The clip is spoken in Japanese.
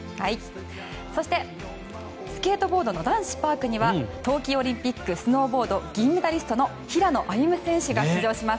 そして、スケートボードの男子パークには冬季オリンピックスノーボード銀メダリストの平野歩夢選手が出場します。